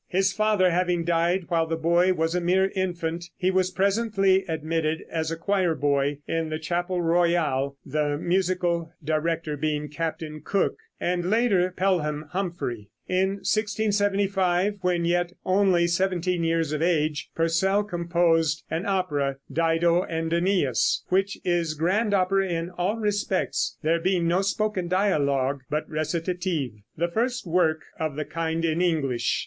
His father having died while the boy was a mere infant, he was presently admitted as a choir boy in the Chapel Royal, the musical director being Captain Cook, and later Pelham Humpfrey. In 1675, when yet only seventeen years of age, Purcell composed an opera, "Dido and Æneas," which is grand opera in all respects, there being no spoken dialogue but recitative the first work of the kind in English.